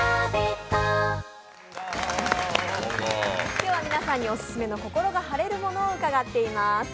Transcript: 今日は皆さんにオススメの心が晴れるものを伺っています。